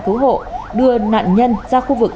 cứu hộ đưa nạn nhân ra khu vực